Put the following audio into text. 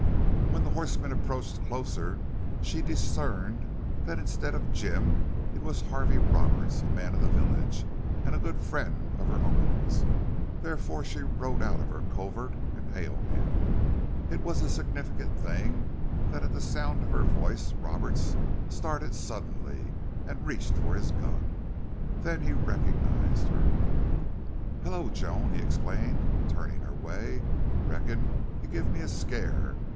When the horseman approached closer she discerned that instead of Jim it was Harvey Roberts, a man of the village and a good friend of her uncle's. Therefore she rode out of her covert and hailed him. It was a significant thing that at the sound of her voice Roberts started suddenly and reached for his gun. Then he recognized her. "Hello, Joan!" he exclaimed, turning her way. "Reckon you give me a scare.